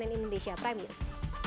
kami di indonesia prime news